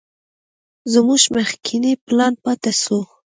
زموږ مخکينى پلان پاته سو.